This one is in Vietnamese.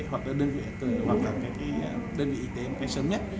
hoặc là đơn vị y tế sớm nhất